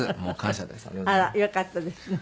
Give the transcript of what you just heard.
あらよかったですね。